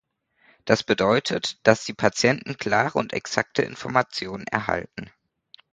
Das bedeutet, dass die Patienten klare und exakte Informationen erhalten.